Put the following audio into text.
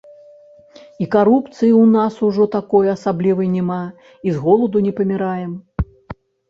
І карупцыі ў нас ужо такой асаблівай няма, і з голаду не паміраем.